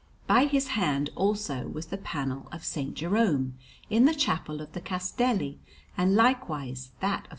By his hand, also, was the panel of S. Jerome in the Chapel of the Castelli, and likewise that of S.